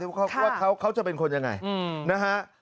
ว่าเขาจะเป็นคนยังไงนะฮะ